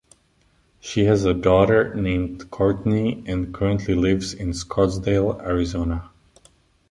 She has a daughter named Courtney and currently lives in Scottsdale, Arizona.